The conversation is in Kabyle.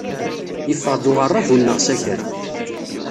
Yeffeɣ-d uɣerrabu-nneɣ s akal.